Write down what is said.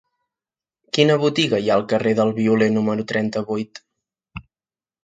Quina botiga hi ha al carrer del Violer número trenta-vuit?